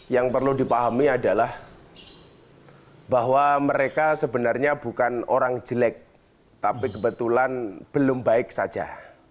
yang perlu dipahami adalah bahwa mereka sebenarnya bukan orang jelek tapi kebetulan belum baik saja